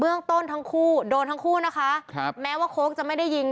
เรื่องต้นทั้งคู่โดนทั้งคู่นะคะครับแม้ว่าโค้กจะไม่ได้ยิง